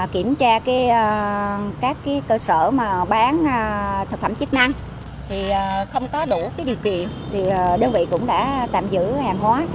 kiểm tra các cơ sở bán thực phẩm chức năng thì không có đủ điều kiện thì đơn vị cũng đã tạm giữ hàng hóa